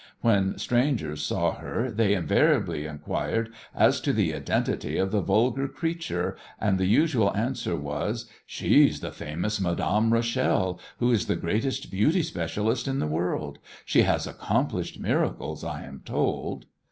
When strangers saw her they invariably inquired as to the identity of the vulgar creature, and the usual answer was, "She's the famous Madame Rachel, who is the greatest beauty specialist in the world. She has accomplished miracles, I am told."